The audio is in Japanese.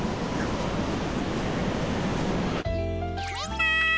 みんな！